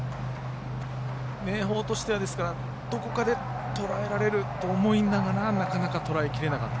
明豊としては、どこかでとらえられると思いながらなかなかとらえきれなかった。